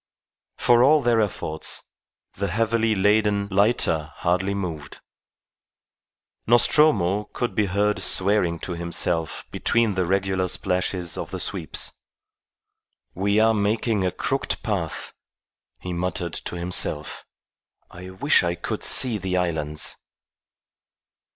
For all their efforts, the heavily laden lighter hardly moved. Nostromo could be heard swearing to himself between the regular splashes of the sweeps. "We are making a crooked path," he muttered to himself. "I wish I could see the islands."